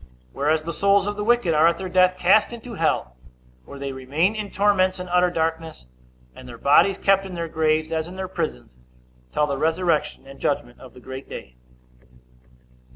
Whereas the souls of the wicked are at their death cast into hell, where they remain in torments and utter darkness, and their bodies kept in their graves, as in their prisons, till the resurrection and judgment of the great day.